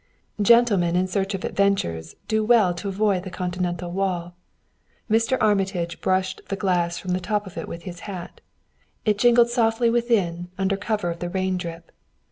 Gentlemen in search of adventures do well to avoid the continental wall. Mr. Armitage brushed the glass from the top with his hat. It jingled softly within under cover of the rain drip.